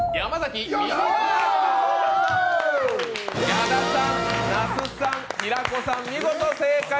矢田さん、那須さん、平子さん、見事正解！